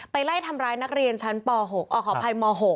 ไล่ทำร้ายนักเรียนชั้นป๖ขออภัยม๖